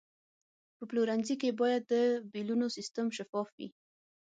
په پلورنځي کې باید د بیلونو سیستم شفاف وي.